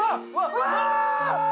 うわ！